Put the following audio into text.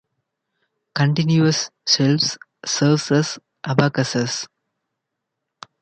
Continuous shelves serve as abacuses.